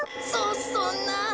そそんな。